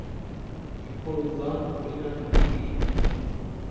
இப்பொழுதுதான் வெளி நாட்டு டி.வி.